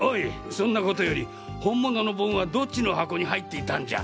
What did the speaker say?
そんなことより本物の盆はどっちの箱に入っていたんじゃ！？